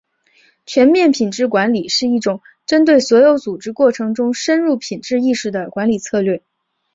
全面品质管理是一种针对所有组织过程中深入品质意识的管理策略。